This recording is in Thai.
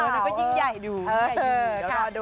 นี่ก็ยิ่งใหญ่ดูใหญ่อยู่เรารอดูแล้วนะครับ